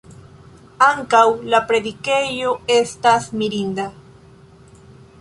Ankaŭ la predikejo estas mirinda.